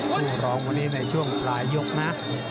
ผู้ร้องวันนี้ในช่วงปลายยกนะ